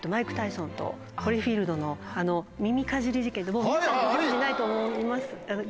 もう皆さんご存じないと思いますが。